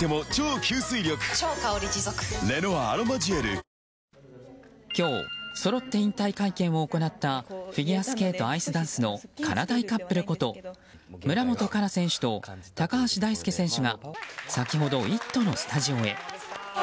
今後、残る４人の捜索と共に今日、そろって引退会見を行ったフィギュアスケートアイスダンスのかなだいカップルこと村元哉中選手と高橋大輔選手が先ほど「イット！」のスタジオへ。